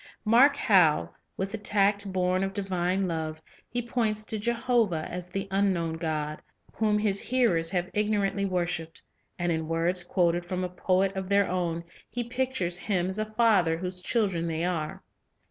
Mark how, with the tact born of divine love, he points to Jehovah as the " Unknown God," whom his hearers have igno rantly worshiped; and in words quoted from a poet of ln Advance ,.,. T T . T ,,.. of His Age their own he pictures Him as a rather whose children they are.